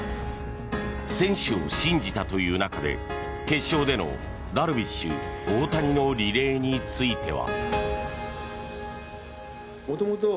選手を信じたという中で決勝でのダルビッシュ、大谷のリレーについては。